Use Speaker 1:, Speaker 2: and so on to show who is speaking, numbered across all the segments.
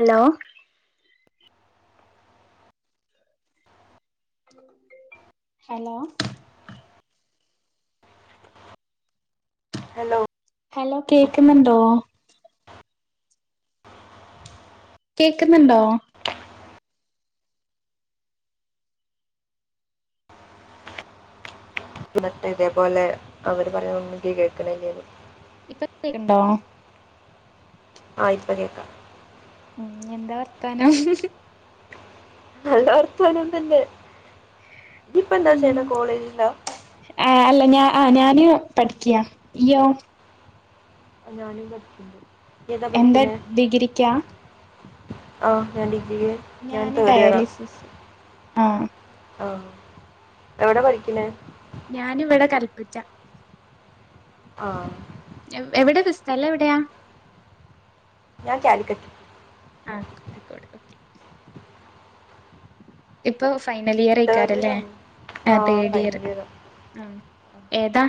Speaker 1: Hello hello
Speaker 2: hello
Speaker 1: hello കേക്കുന്നുണ്ടോ
Speaker 2: [inaudible]
Speaker 1: കേക്കുന്നുണ്ടോ
Speaker 2: എന്നിട്ട് ഇതേപോലെ അവര് പറയെണന്നും ന്ക്ക് കേക്കണല്ലരുന്നു
Speaker 1: ഇപ്പൊണ്ടോ
Speaker 2: ആ ഇപ്പൊ കേക്കാം
Speaker 1: ഉം എന്താ വർത്താനം
Speaker 2: നല്ല വർത്ത നം തന്നെ ഇപ്പൊ എന്താ
Speaker 1: ഉം
Speaker 2: ചെയന കോളേജില
Speaker 1: ആഹ് അല്ല ഞാൻ പഠിക്കി ഇയ്യോ
Speaker 2: അ ഞാനി പഠക്കണ്ട്
Speaker 1: എന്താ ഡിഗ്രി ക്ക
Speaker 2: ഒ [unintelligible]
Speaker 1: ഞാന് ഡയാലിസിസ് ആഹ
Speaker 2: ആഹ എവിടെ പഠിക്കണേ
Speaker 1: പച്ച
Speaker 2: ആഹ
Speaker 1: എവിടെയ സ്ഥല എവിടെയാ
Speaker 2: ഞാൻ കാലിക്കറ്റ്‌.
Speaker 1: ആഹ കോ കോടി ക്കെ ഇപ്പൊ ഫൈനൽ ഇയർ
Speaker 2: തേർഡ് ഇയർ
Speaker 1: ആയിക്കാരല്ലേ
Speaker 2: ആണ്
Speaker 1: ആ തേർഡ് ഇയർ ആ ഏതാ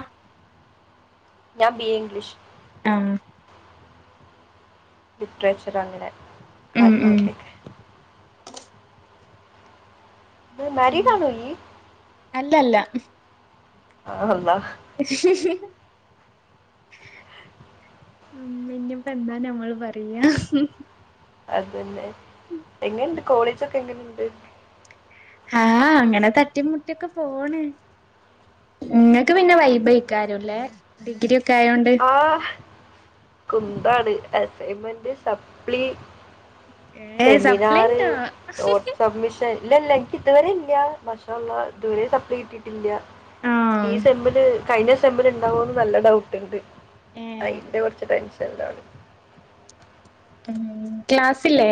Speaker 2: ഞാൻ ബി എ ഇംഗ്ലീഷ്.
Speaker 1: ആഹ
Speaker 2: ലിറ്ററേച്ചർ അങ്ങനെ
Speaker 1: ഉം
Speaker 2: അരു
Speaker 1: ഉം
Speaker 2: അത്തക്ക് മാരീഡ് ആണോ ഇയ്യ്
Speaker 1: അല്ല അല്ല മം
Speaker 2: ആ അല്ലാ
Speaker 1: ഉ ഇനിപ്പ എന്താ നമ്മള് പറയാ
Speaker 2: അതന്നെ എങ്ങനുണ്ട്, കോളേജൊക്കെ എങ്ങനുണ്ട്
Speaker 1: ആഹ് അങ്ങനെ തട്ടിമുട്ടിയൊക്കെ പോണ്. ക്ക്
Speaker 2: ഉം,
Speaker 1: പിന്നെ
Speaker 2: നമ്മളത് അങ്ങനെ
Speaker 1: വൈബായികവുലെ
Speaker 2: തന്നെ
Speaker 1: ഡിഗ്രി ഒക്കെ ആയോണ്ട്
Speaker 2: ആ കുന്താണ് അസൈൻമെന്റ് സപ്ലി
Speaker 1: ഏഹ്
Speaker 2: സെമിനാർ
Speaker 1: സപ്ലൈണ്ടോ
Speaker 2: വോട്സബ്മിഷൻ ഇല്ല ഇല്ല എനിക്ക് ഇതുവരെ ഇല്ല ഭഷമള്ള ഇതുവരെ സപ്ലൈ കിട്ടിട്ടില്ല.
Speaker 1: ആഹ്
Speaker 2: [unintelligible] കഴിഞ്ഞ സമിൽ ഉണ്ടാാവുമന്ന് നല്ല ഡൗട്ട് ഉണ്ട് അ
Speaker 1: ഏഹ്
Speaker 2: ഇന്റെ കുറച്ച് ടെൻഷൻ ചെല്ലാണ്
Speaker 1: ഉ ക്ലാസ് ല്ലേ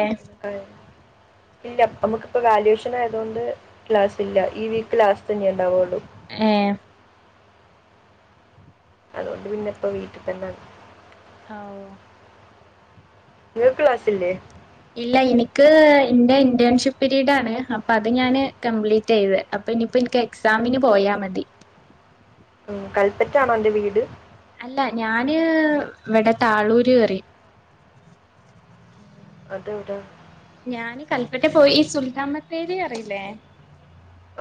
Speaker 2: ഇല്ല പ്പ നമുക്കിപ്പ വാല്യുവേഷൻ ആയത് കൊണ്ട് ക്ലാസ് ഇല്ല ഈ വീക്ക് ലാസ്റ്റ് ഇനി ഉണ്ടാവുള്ളൂ
Speaker 1: ഏ
Speaker 2: അതുകൊണ്ട് പിന്നെ ഇപ്പ വീട്ടിത്തന്നാണ്
Speaker 1: ഓ
Speaker 2: നിങ്ങൾക്ക്‌ ക്ലാസ്സില്ലേ?
Speaker 1: ഇല്ല എനിക്ക് എന്റെ ഇന്റേൺഷിപ്പ് പീരീഡ് ആണ് അപ്പൊ അത് ഞാന് കംപ്ലീറ്റ് എയ്ത് അപ്പൊ ഇനിപ്പോ എനിക്ക് എക്സാമിന് പോയാ മതി.
Speaker 2: മ് കൽപ്പറ്റാണോ അന്റെ വീട്?
Speaker 1: അല്ല ഞാന് ഇവിടെ താളൂര് കേറി
Speaker 2: അതെവിടാ?
Speaker 1: ഞാന് കല്പ്പറ്റ പോയി ഈ സുൽത്താൻ ബത്തേരി അറിയില്ലേ?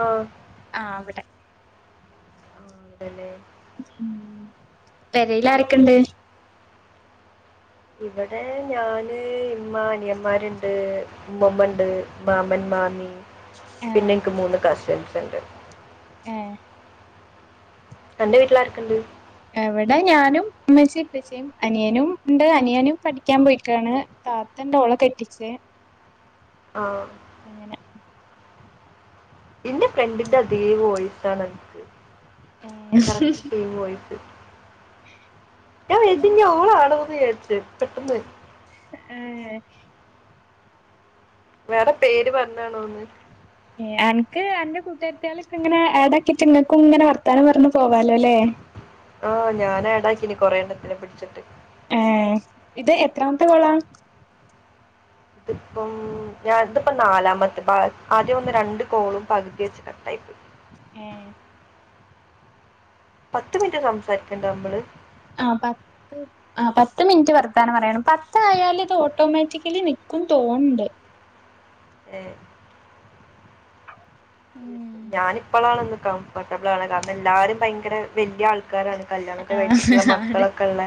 Speaker 2: ആ
Speaker 1: ആഹ് അവിടെ
Speaker 2: ആ അവിടല്ലേ
Speaker 1: ഉം പെരയില് ആരൊക്കുണ്ട്.
Speaker 2: ഇവിടെ ഞാന് ഇമ്മ അനിയന്മാരുണ്ട് ഉമ്മമ്മ ഇണ്ട് മാമൻ മാമി
Speaker 1: ഏഹ്
Speaker 2: പിന്നെ എനിക്ക് മൂന്ന് കാശുണ്ട് ണ്ട്
Speaker 1: ആഹ്
Speaker 2: അന്റെ വീട്ടിലാരക്കണ്ട്?
Speaker 1: പ്പച്ചിം അനിയനും ണ്ട് അനിയനും പഠിക്കാൻ പോയിരിക്കാണ് താത്തെണ്ട് ഓളെ കെട്ടിച്ച്
Speaker 2: ആഹ്
Speaker 1: അങ്ങനെ
Speaker 2: എന്റെ ഫ്രണ്ടിന്റെ അതേ വോയ്‌സാണ് അൻക്ക് കറക്റ്റ് സെയിം വോയിസ് ഞാൻ വേച്ച് ഇനി ഓളാണോ ഞാൻ ചാരിച്ചു പെട്ടന്ന്
Speaker 1: ഏഹ്
Speaker 2: വേറെ പേര് പറഞ്ഞാണോന്ന്
Speaker 1: അൻക്ക് അന്റെ കൂട്ടാരത്തികളൊക്കിങ്ങനെ ആഡ് ആക്കിട്ട് ഇങ്ങക്കും ങ്ങനെ വർത്താനം പറണം
Speaker 2: ആഹ് ഞാനേടാക്കീണ് കുറെ എണ്ണത്തിനെ പിടിച്ചിട്ട്
Speaker 1: ഏ ഇത് എത്രാമത്തെ കോളാ
Speaker 2: ഇതിപ്പം ഞാൻ തിപ്പോ നാലാമത്തെ ബാ ആദ്യം ഒന്ന് രണ്ട് കോളും പകുതി വെച്ച് കട്ട് ആയി പോയി
Speaker 1: ഏഹ്
Speaker 2: പത്ത് മിനിറ്റ് സംസാരിക്കണ്ടെ നമ്മള്
Speaker 1: ആ പത്ത് ആ പത്ത് മിനിറ്റ് വർത്താനം പറയണം പത്തായാല് ഇത് ഓട്ടോമാറ്റിക് ല് നിക്കും തോന്ന്ണ്ട്
Speaker 2: ഏഹ്
Speaker 1: ഉം
Speaker 2: ഞാനിപ്പോളാണ്ന്ന് കംഫോർട്ടബിൾ ആണ് കാരണം എല്ലാരും ഭയങ്കര വെല്യ ആൾക്കാരാണ് കല്യാണൊക്കെ
Speaker 1: ആഹ്
Speaker 2: കഴിച്ചിട്ടുള്ള
Speaker 1: ആണ്
Speaker 2: മക്കളൊക്കെ ഉള്ള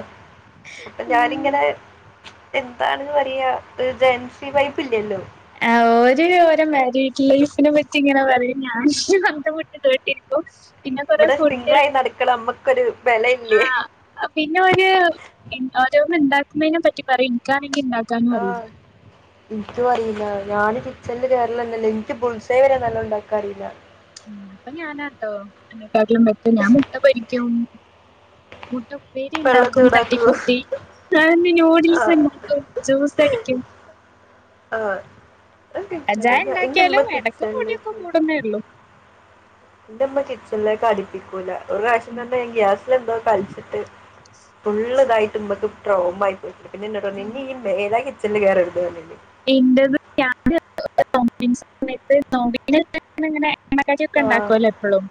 Speaker 2: അപ്പൊ
Speaker 1: ഉം
Speaker 2: ഞാനിങ്ങനെ എന്താണെന്ന് പറയാ ജെൻസി വൈബ് ഇല്യല്ലോ
Speaker 1: ആ ഓര് ഓരെ മാരിഡ് ലൈഫിനെ പറ്റി ഇങ്ങനെ പറയും ഞാൻ അന്തംവിട്ട് കേട്ടിരിക്കും പിന്നെ കുറേ
Speaker 2: ഇവിടെ സിംഗിൾ
Speaker 1: ഫുഡ്
Speaker 2: ആയി നടക്കണ നമ്മക്കൊരു
Speaker 1: ആ
Speaker 2: ബലയില്ലേ
Speaker 1: പിന്നെ ഓര് ഓരോന്ന് ണ്ടാ മ്മനെ പറ്റി പറിം ൻ ക്കാണെ ഇൻക് ണ്ടാക്കാനും അറിയില്ല
Speaker 2: ഇൻക്കും അറിയില്ല ഞൻ കിച്ചൺല് കേറലെന്നെല്ല ഇൻക്ക് ബുൾസൈ വരെ നല്ലോണണ്ടാക്കാൻ അറിയില്ല
Speaker 1: ഉം അപ്പൊ ഞാനാട്ടോ [unintelligible] [unintelligible] ഞാൻ മുട്ട പൊരിക്കും മുട്ട
Speaker 2: വെള്ളം
Speaker 1: പേരിണ്ടാക്കും
Speaker 2: ചൂടാക്കൂ
Speaker 1: തട്ടിക്കൂട്ടി ഞാന് നൂഡിൽസ്
Speaker 2: ആഹ്
Speaker 1: ണ്ടാക്കും ജ്യൂസ് അടിക്കും
Speaker 2: ആഹ് അത്
Speaker 1: കട്ടൻ ചായ
Speaker 2: എനിക്കറിയില്ല എന്റെ ഉമ്മ
Speaker 1: ണ്ടാക്ക്യാലും എടക്ക് പൊടിയൊക്കെ കൂടുന്നേ ഉള്ളു
Speaker 2: ഇന്റമ്മ കിച്ചണിലേക്കടിപ്പിക്കൂല ഒരു റാശ്യം തന്നെ ഞാൻ ഗ്യാസ് ലെ എന്തോ കളിച്ചിട്ട് ഫുള്ള്തായിട്ട് മ്മക്ക് പ്രോം ആയിട്ട് ന്നിട്ട്ന്നോട് പറഞ്ഞ് ഇഞ്ഞി ഈ മേലാൽ ചെന്ന് കേറരുത് ന്ന്
Speaker 1: ഇൻ്റത് [unintelligible] ങ്ങനെ [unintelligible]
Speaker 2: ആ
Speaker 1: ഉണ്ടാക്കുവല്ലോ എപ്പളും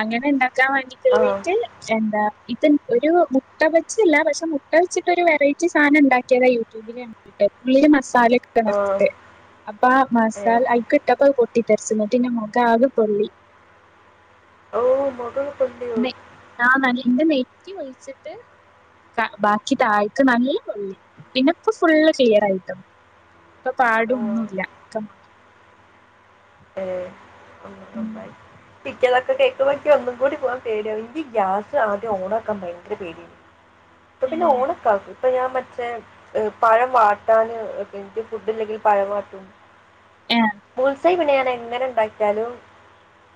Speaker 1: അങ്ങനെ ക്കാൻ വേണ്ടിട്ട്
Speaker 2: ആ
Speaker 1: കേറിട്ട് എന്താ ഇത് ഒരു മുട്ട വെച്ച്ല്ല പക്ഷേ മുട്ട വെച്ചിട്ട് ഒരു വെറൈറ്റി സാനം ഉണ്ടാക്കിയതാ യൂട്യൂബില് കണ്ടിട്ട് ഉള്ളില് മസാല
Speaker 2: ആ
Speaker 1: [unintelligible] അപ്പ ആ
Speaker 2: ഏ
Speaker 1: മസാല അയ്ക്ക്ട്ടപ്പോ പൊട്ടി പൊട്ടി തെർച്ച് ന്ന്ട്ട് ന്റെ മുഖാകെ പൊള്ളി
Speaker 2: ഓ മുകൾ കൊണ്ടിയോ
Speaker 1: മെ ആ [unintelligible] ൻ്റെ മേ റ്റി ഒയിച്ചിട്ട് ബാക്കി താഴക്ക് നല്ല പൊള്ളി പിന്നെപ്പ ഫുള്ള് ക്ലിയർ ആയിട്ടൊ ഇപ്പൊ പാട്
Speaker 2: ആ
Speaker 1: ഒന്നുല്ല ക്കെ മാറി
Speaker 2: ഏ [unintelligible]
Speaker 1: ഉം.
Speaker 2: കേക്കുമ്പ ഇക്കൊന്നും കൂടി പോവാൻ പേടിയാവാ ഇക്ക് ഗ്യാസ് ആദ്യം ഓണൊക്കെണ്ടായ്ന്ന് എത്ര പേടി പ്പ
Speaker 1: ഏ.
Speaker 2: പിന്നെ ഓണൊക്കാക്കും ഇപ്പൊ ഞാൻ മറ്റേ പഴം വാട്ടാന് ഇൻക്ക് ഫുഡ് ഇല്ലെങ്കിൽ പഴം വാട്ടും [unintelligible] [unintelligible] പിന്നെ ഞാൻ എങ്ങനെണ്ടാക്കിയാലും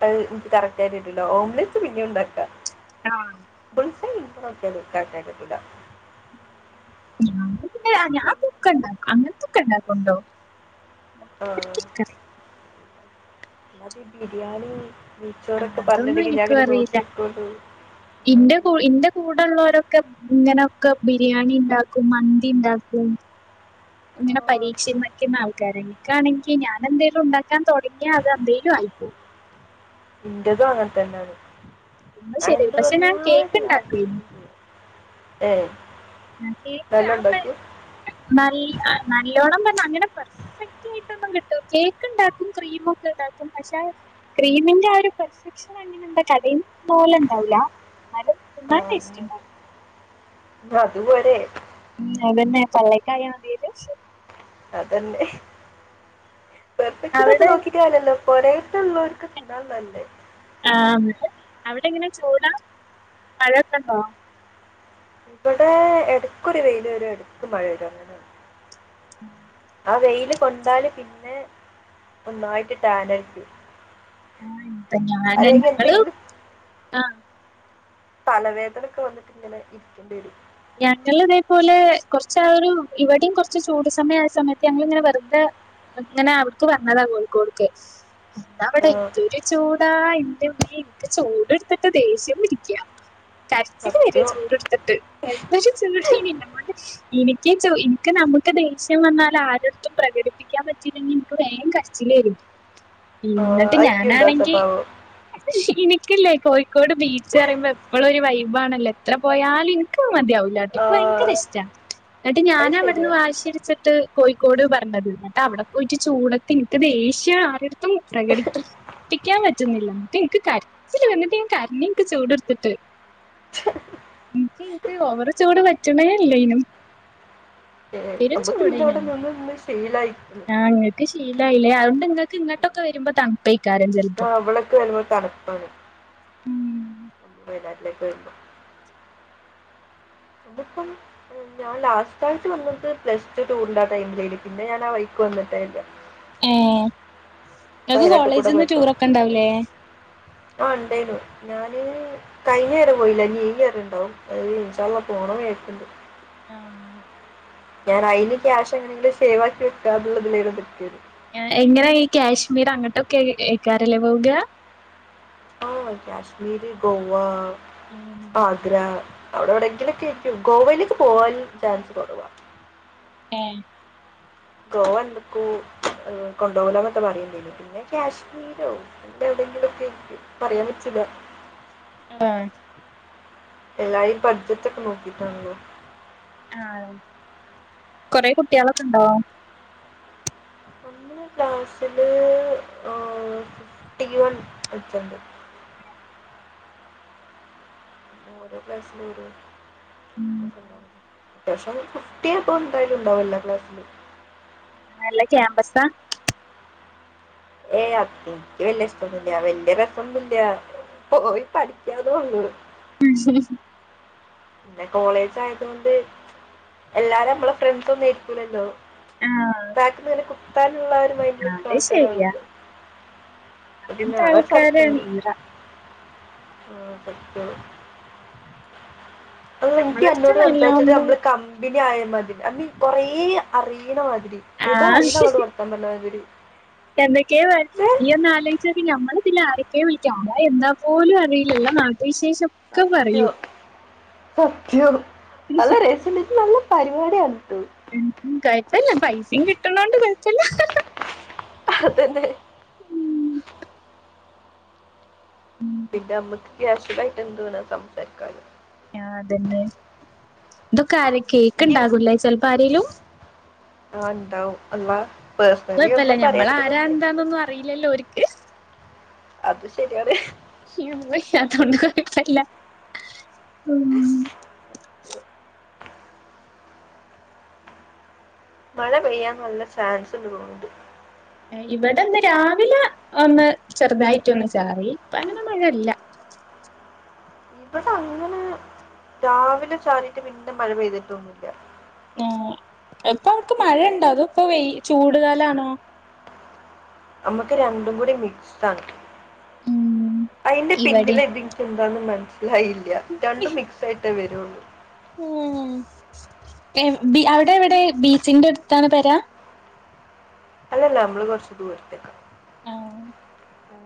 Speaker 2: അയ് കറക്ററായിട്ട് ട്ടൂല ഓംലെറ്റ് പിന്നെണ്ടാക്ക
Speaker 1: ആ
Speaker 2: [unintelligible] കറക്റ്റായിട്ട് കിട്ടൂലാ
Speaker 1: [unintelligible] ആ ഞാ പൂക്കണ്ട അങ്ങനത്തൊക്കെ ണ്ടാക്കുണ്ടോ
Speaker 2: ആ
Speaker 1: [inaudible]
Speaker 2: അതീ ബിരിയാണി
Speaker 1: ആ
Speaker 2: നെയ്ച്ചോറൊക്കെ
Speaker 1: അതൊന്നും
Speaker 2: പറഞ്ഞിട്ടുണ്ടെങ്കിൽ ഞാൻ
Speaker 1: എനിക്കും
Speaker 2: അങ്ങനെ
Speaker 1: അറിയില്ല
Speaker 2: നോക്കിയിട്ടുണ്ട്
Speaker 1: ഇന്റെ കൂ ഇന്റെ കൂടൊള്ളോരോ ഇങ്ങനൊക്കെ ബിരിയാണി ഇണ്ടാക്കും മന്തി ഇണ്ടാക്കും ഇങ്ങനെ പരീക്ഷി [unintelligible] ണ്ടാവും കരങ്ങിക്കാണെങ്കി ഞാൻ എന്തേലും ഉണ്ടാക്കാൻ തുടങ്ങിയാ അത് എന്തേലും ആയിപ്പോവും
Speaker 2: ഇൻ്റതും അങ്ങനെ തന്നാണ്
Speaker 1: അത് ശെരിയ പക്ഷെ ഞാൻ കേക്ക് ഇണ്ടാക്കുവേന്
Speaker 2: ചെയ്യും. ഏ
Speaker 1: ആ കേക്ക്
Speaker 2: നല്ല
Speaker 1: ആ
Speaker 2: ഉണ്ടാക്കും
Speaker 1: [inaudible] നല്ലോ നല്ലോണം അങ്ങനെ പെർഫക്റ്റ് ആയിട്ട് [inaudible] കിട്ടും കേക്ക് ഇണ്ടാക്കും ക്രീമൊക്കെ ഇണ്ടാക്കും പക്ഷെ ക്രീമിന്റെ ആ ഒരു പെർഫെക്ഷൻ അങ്ങനെ [inaudible] കടയിൽ പോലെ ഉണ്ടാവൂല എന്നാലും
Speaker 2: ആ,
Speaker 1: തിന്നാൻ ടേസ്റ്റ്
Speaker 2: എന്നാ
Speaker 1: ഉണ്ടാവും
Speaker 2: അതുപോരെ
Speaker 1: ഉം അതന്നെ പള്ളക്കായ മതിയല് ശെ
Speaker 2: അതന്നെ പെർഫ്ക്ഷനൊക്കെ
Speaker 1: അവിടെ
Speaker 2: നോക്കിട്ട് കാര്യല്ലോ [unintelligible] ഉള്ളോർക്ക് താ നല്ല
Speaker 1: ആ അവിടെങ്ങന ചൂടാ മഴൊക്കെ ഉണ്ടോ
Speaker 2: ഇവിടെ എടക്കൊരു വെയില് വരും എടക്ക് മഴ വരും അങ്ങനെ ആ വെയില് കൊണ്ടാല് പിന്നെ ഒന്നായിട്ട് ടാനടിക്കും
Speaker 1: ആഹ് എന്ത ഞാന് ഞങ്ങള്
Speaker 2: എന്തെങ്കിലും
Speaker 1: ആഹ്
Speaker 2: തലവേദനൊക്കെ വന്നിട്ട് ഇങ്ങനെ ഇരിക്കേണ്ടി വരും
Speaker 1: ഞങ്ങള് ഇതേപോലെ കൊറച്ച് ആ ഒരു ഇവിടെയും കൊറച്ച് ചൂട് സമയം ആയ സമയത്ത് ഞങ്ങളിങ്ങനെ വെറുതെ ഇങ്ങനെ അവിട്ക്ക് വന്നതാ കോഴിക്കോട്ക്ക് എന്താവിടെ എന്തൊരു ചൂടാ പി എനിക്ക് ചൂടെടുത്തിട്ട് ദേഷ്യം പിടിക്യാ കരച്ചില്
Speaker 2: ഫസ്റ്റ്
Speaker 1: വരിയ ചൂടെടുത്തിട്ട് എന്തൊരു [unintelligible] എനിക്ക് ചോ എനിക്ക് നമുക്ക് ദേഷ്യം വന്നാല് ആരെട്ത്തും പ്രകടിപ്പിക്കാൻ പറ്റീല്ലെങ്കി എനിക്ക് വേം കരച്ചില് വരും എന്നിട്ട്
Speaker 2: അയക്കുണ്ടോ
Speaker 1: ഞാനാണെങ്കി
Speaker 2: സ്വഭാവം
Speaker 1: ഇനിക്കല്ലേ കോഴിക്കോട് ബീച്ച് പറയുമ്പം എപ്പളും ഒരു വൈബ് ആണല്ലേ എത്ര പോയാലും മതിയാവൂലട്ടോ
Speaker 2: ആ,
Speaker 1: എക്ക് ഭയങ്കര ഇഷ്ടാ എന്നിട്ട്
Speaker 2: അത്
Speaker 1: ഞാൻ അവിടുന്ന്
Speaker 2: ശരിയാ
Speaker 1: വശി പിടിച്ചിട്ട് കോഴി ക്കോട് പറണത് എന്നിട്ട് അവിടെ പോയിട്ട് ചൂടത്ത് എനിക്ക് ദേഷ്യം ആരട് ത്തും പ്രകടിക്കി പ്പിക്കാൻ പറ്റുന്നില്ല എന്നിട്ട് എനിക്ക് കരച്ചില് വന്നിട്ട് കരഞ്ഞിക്ക് ചൂടെടുത്തിട്ട് എനിക്ക് ഓവർ ചൂട് പറ്റണല്ലേ ഇനും
Speaker 2: അമ്മക്ക് പിന്നെ അവിടെ നിന്ന് നിന്ന്‌ ശീ ശീലായി
Speaker 1: ആഹ ങ്ങക്ക് ശീലായില്ലേ നിങ്ങക്ക്ങ്ങോട്ടൊക്കെ വരുമ്പോ തണ്പെയ്ക്കും
Speaker 2: ആ അവളൊക്കെ വരുമ്പോൾ തണുപ്പും അക്ക് വരുമ്പോ അതിപ്പം ഞാൻ ലാസ്റ്റ് ആയിട്ട് വന്നത് പ്ലസ് ടു ടൂറിന്റെ ആ ടൈമിലേയില് പിന്നെ ഞാൻ ആ വൈക്ക് വന്നിട്ടേല്ല
Speaker 1: ഏ ങ്ങക്ക്
Speaker 2: കൂടെ
Speaker 1: കോളേജിൽന്ന്
Speaker 2: പോയപ്പോ
Speaker 1: ടൂർ ഒക്കെ
Speaker 2: അങ്ങനെ
Speaker 1: ഇണ്ടാവൂലേ
Speaker 2: ആ ഉണ്ടേനു ഞാന് കഴിഞ്ഞ നേരം പോയില്ല നെയ കരുണ്ടാവും അള്ള പോണം കേക്കണ്ട്
Speaker 1: ആഹ
Speaker 2: ഞാൻ അതിന് ക്യാഷ് എങ്ങനെിലും സേവ് ആക്കിെക്കുക എന്നുള്ളതില പറ്റിയത്
Speaker 1: എങ്ങനാ ഈ കാശ്മീർ അങ്ങോട്ടൊക്കെ കേക്കാറല്ലേ പോവുക
Speaker 2: ആഹ കാശ്മീരി ഗോവ ആഗ്ര അവിടെ എവിടെ എങ്കിലുംക്കെ എരിക്കും ഗോവയിലേക്ക് പോവാൻ ചാൻസ് കൊടുവാ
Speaker 1: ഏ
Speaker 2: ഗോവ എന്തൊക്കോ ർ കൊണ്ടുപോല എന്നക്കെ പറയണ്ടേ പിന്നെ കാശ്മീരോ എ എവിടെെങ്കിലുംക്കെ പറയാൻ പറ്റലാ
Speaker 1: ആഹ
Speaker 2: ഇല്ല ഭർജത്തക് നൂക്കിടണലോ
Speaker 1: ആഹ കൊറെ കുട്ടികളൊക്കെണ്ടോ
Speaker 2: ഒന്ന് ക്ലാസ്സില് ഫിഫ്റ്റി വൺ വച്ചുണ്ട് ഓരോ ക്ലാസില് ഓരോ [unintelligible]
Speaker 1: ഉം
Speaker 2: അത്യാവശ്യം ഫിഫ്റ്റി അപ്പ എന്തായാലും ഉണ്ടാവും എല്ലാ ക്ലാസ്സില്
Speaker 1: ആ നല്ല ക്യാമ്പസാ
Speaker 2: ഏ എനിക്ക് വല്യ ഇഷ്ടൊന്നുമില്ല വല്യ രസംന്നുമില്ല പോയി പഠിക്കാതെ കൊള്ളൂ
Speaker 1: ഉസ
Speaker 2: പിന്നെ കോളേജ ആയത കൊണ്ട് എല്ലാരും നമ്മള ഫ്രണ്ട്സ ഒന്നുംരിക്കൂലല്ലോ
Speaker 1: ആ
Speaker 2: ബാക്കന കു ത മൈഡട്ടുന്ന
Speaker 1: അത് ശരിയാ
Speaker 2: ആൾക്കാരാവല്ലോ അ പിന്നെ
Speaker 1: അങ്ങനത്തെ
Speaker 2: അവര്
Speaker 1: ആൾക്കാരാണ്
Speaker 2: ചർപ്പുണ്ട്
Speaker 1: ഈറ
Speaker 2: ആ സറ്റ അ എനിക്ക്
Speaker 1: നമ്മളടുത്ത്
Speaker 2: എന്നോട് സംസാരിച്ചിട്ട്
Speaker 1: നല്ലോമ്പോ
Speaker 2: നമ്മള് കമ്പിനി ആയ മതി അ കൊറേ അറിയണമായി ഏതോ അറിയല്ല അവോട് വർത്താൻ പറഞ്ഞ മാതിരി
Speaker 1: എന്തൊക്കെയ വ
Speaker 2: ദേ,
Speaker 1: ഈ ഒന്ന് ആലോചിച്ച നമ്മള് ആരൊക്കെ വിളിക്കാരാ എന്താ പോലും അറിയില്ല ന വിശേഷം ഒക്കെ പറയൂ
Speaker 2: സത്യം സത്യം [unintelligible] നല്ല പരിപാടിആണ്
Speaker 1: ഉ കുഴപ്പല്യ പൈസയും കിട്ടണോണ്ട് കുഴപ്പല്യ
Speaker 2: അതെന്നെ പിന്നെ അമ്മക്ക് ക്യാഷലായിട്ട് എന്തു വേണേലും സംസാരിക്കാലോ
Speaker 1: ദുക്കാരെ കേക്ക് ഇണ്ടാകൂലേ ചെലപ്പോ ആരെലും
Speaker 2: അ ഉണ്ടാവും അള്ളാ
Speaker 1: ഇതൊഴപ്പല്യ ഞമ്മള ആരാ എന്താന്നൊന്നും അറിയില്ലല്ലോ ഓര്ക്ക്
Speaker 2: അത് ശരിയാണ്
Speaker 1: ഞമ്മക്ക് പറ്റാത്തോണ്ട് കൊഴപ്പല്ല ഊം
Speaker 2: മഴ പെയ്യാൻ നല്ല ചാൻസുണ്ട് തോന്ന്ണ്ട്
Speaker 1: ഇവിടെ ഇന്ന് രാവിലെ ഒന്ന് ചെറുതായിട്ടൊന്ന് ചാറി ഇപ്പങ്ങനെ മഴല്ല
Speaker 2: ഇവിടെ അങ്ങനെ രാവിലെ ചാറിട്ട് പിന്നെ മഴ പെയ്തിട്ടൊന്നില്ല
Speaker 1: ഏ ഇപ്പോ അവിട്ക് മഴണ്ടോ അതോ ഇപ്പോ വെയ് ചൂടുകാലാണോ
Speaker 2: നമ്മുക്ക് രണ്ടും കൂടി മിക്സ് ആണ്
Speaker 1: ഉം
Speaker 2: അയ്‌ന്റെ
Speaker 1: ഇവിടിം
Speaker 2: പിന്നിലെതി ൻ ക്കെന്താന്ന് മൻസ്സിലായില്ല രണ്ടും മിക്സ് ആയിട്ട് വെ രോന്ന്
Speaker 1: ഉം ഏ ബി അവിടെവിടെ ബീച്ചിന്റെ ട് ത്താണോ പെര
Speaker 2: അല്ലല്ല നമ്മള് കൊറച്ച് ദൂരത്തേക്ക
Speaker 1: ആഹ്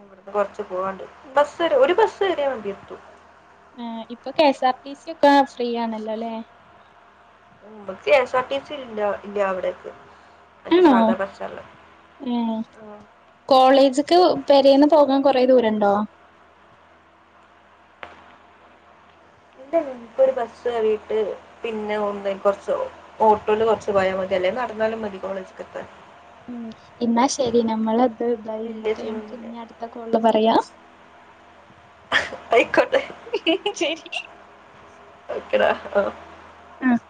Speaker 2: ഇവിടുന്ന് കൊറച്ച് പോവാണ്ട് ബസ് ഒരു ബസ്സ് കേറിയാ മതി എത്തും
Speaker 1: ഏ ഇപ്പൊ കെഎസ് ആർ ടി സി ഒക്കെ ഫ്രീ ആണല്ലോ ല്ലേ
Speaker 2: ഉം ബ്ക് K S R T C ഇല്യ ഇല്ലാ അവിടെക്ക്
Speaker 1: ആണോ ഏ കോളേജ്ക്ക് പേരേന്ന് പോകാൻ കൊറെ ദൂരണ്ടോ
Speaker 2: ഇല്ലല്ല ഇൻക്കൊരു ബസ്സേറീട്ട് പിന്നെ ഒന്ന് കൊർച് ഓട്ടോൽ കൊർച് പോയാൽ മതി അല്ലെ നടന്നാലും മതി കോളേജ്ക്ക് എത്താൻ
Speaker 1: ഉം ഇന്നാ ശരി നമ്മള ത് തായീന്
Speaker 2: വലിയ
Speaker 1: ഇന്നട്ട് ഞമ്മക്
Speaker 2: സീനൊന്നുമില്ല
Speaker 1: ഇഞട്ത്ത കോൾള് പറയാ
Speaker 2: ആയിക്കോട്ടെ
Speaker 1: ഹ് ഹ് ഹ് ശരി
Speaker 2: ഓക്കെടാ ആ
Speaker 1: ആഹ്